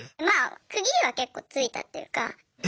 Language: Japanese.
まあ区切りは結構ついたっていうか。